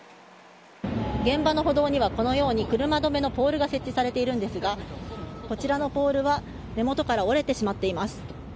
現場の歩道には、このように車止めのポールが設置されているんですがこちらのポールは根元から折れてしまっています。